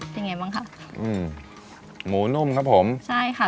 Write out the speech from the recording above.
เป็นไงบ้างคะอืมหมูนุ่มครับผมใช่ค่ะ